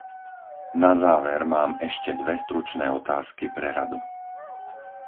Na záver mám ešte dve stručné otázky pre Radu.